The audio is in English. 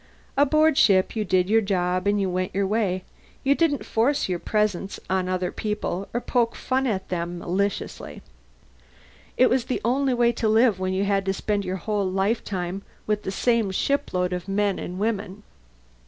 Aboard ship, you did your job and went your way; you didn't force your presence on other people or poke fun at them maliciously. It was the only way to live when you had to spend your whole lifetime with the same shipload of men and women.